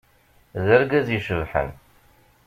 D argaz icebḥen.